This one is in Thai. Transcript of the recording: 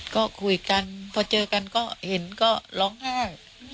ก็คุยกันพอเจอกันก็เห็นก็ร้องไห้